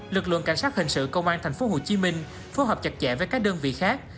lực lượng cảnh sát hình sự công an tp hcm phối hợp chặt chẽ với các đơn vị khác